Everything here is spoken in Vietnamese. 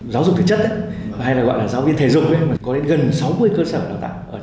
giáo dục thể chất hay là gọi là giáo viên thể dục